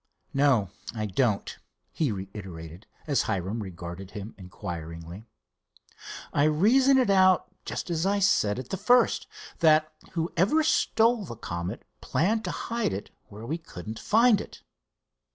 "No, I don't," he reiterated, as Hiram regarded him inquiringly. "I reason it out just as I said at the first, that whoever stole the Comet planned to hide it where we couldn't find it.